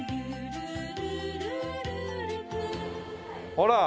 ほら！